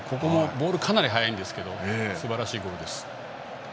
ボールがかなり速いですがすばらしいゴールです。